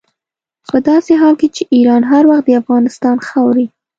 په داسې حال کې چې ایران هر وخت د افغانستان خاورې.